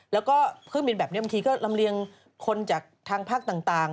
แล้วก็เครื่องบินแบบนี้บางทีก็ลำเลียงคนจากทางภาคต่าง